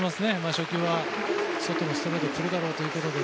初球は外のストレートが来るだろうということで